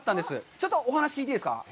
ちょっとお話聞いていいですか。